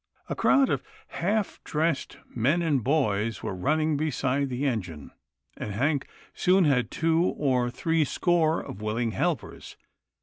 A crowd of half dressed men and boys were running beside the engine, and Hank soon had two or three score of willing helpers.